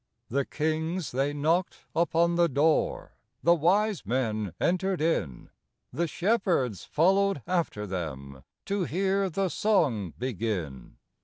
The kings they knocked upon the door, The wise men entered in, The shepherds followed after them To hear the song begin.